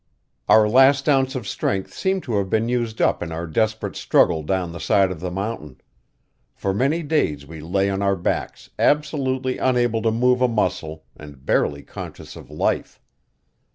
Our last ounce of strength seemed to have been used up in our desperate struggle down the side of the mountain; for many days we lay on our backs absolutely unable to move a muscle and barely conscious of life.